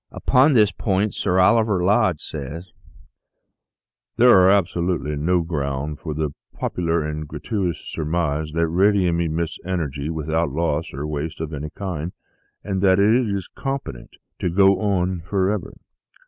Upon this point Sir Oliver Lodge says :" There is absolutely no ground for the popular and gra tuitous surmise that radium emits energy without loss or waste of any kind, and that it is competent to go on for ever.